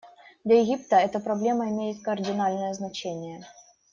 Для Египта эта проблема имеет кардинальное значение.